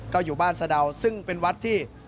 ก็อยู่บ้านสะดาวซึ่งเป็นวัดที่